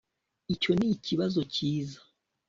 icyo nikibazo cyiza